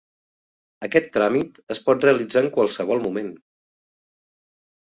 Aquest tràmit es pot realitzar en qualsevol moment.